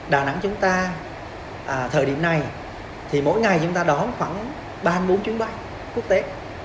đà nẵng chúng ta thời điểm này thì mỗi ngày chúng ta đón khoảng ba mươi bốn chuyến bay quốc tế